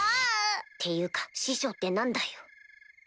っていうか師匠って何だよ